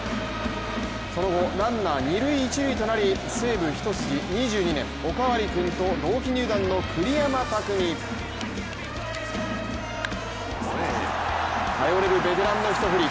その後、ランナー、二塁一塁となり西武一筋２２年、おかわり君と同期入団の栗山巧、頼れるベテランの一振り。